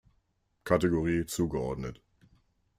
Kategorie zugeordnet.